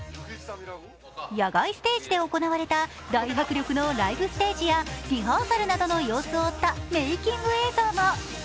野外ステージで行われた大迫力のライブステージやリハーサルなどの様子を追ったメイキング映像も。